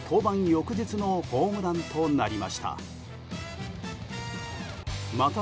翌日のホームランとなりました。